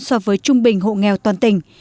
so với trung bình hộ nghèo toàn tỉnh